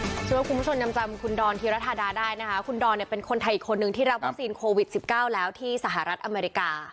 สวัสดีครับคุณผู้ชมยำจำคุณดอลที่รัฐธาได้นะฮะคุณดอลเนี่ยเป็นคนไทยอีกคนนึงที่รับสิ่งโควิดสิบเก้าแล้วที่สหรัฐอเมริกา